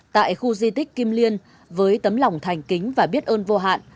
tại khu di tích kim liên với tấm lòng thành kính và biết ơn vô hạn